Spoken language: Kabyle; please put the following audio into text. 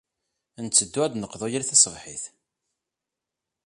Netteddu ad d-neqḍu yal taṣebḥit.